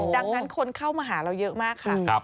ดังนั้นคนเข้ามาหาเราเยอะมากค่ะ